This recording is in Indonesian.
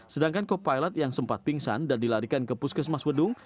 sedangkan co pilot yang sempat pingsan dan dilarikan ke puskesmas wedung